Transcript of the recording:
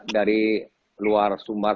dari luar sumber